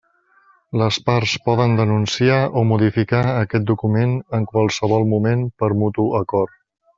Les parts poden denunciar o modificar aquest document en qualsevol moment per mutu acord.